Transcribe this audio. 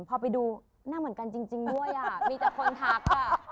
พอไปดูหน้าเหมือนกันจริงด้วยมีแต่คนทัก